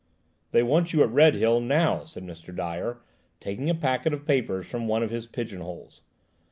"THEY want you at Redhill, now," said Mr. Dyer, taking a packet of papers from one of his pigeon holes.